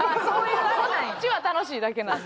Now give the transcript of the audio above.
こっちは楽しいだけなんで。